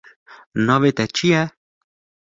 Navê te çi ye?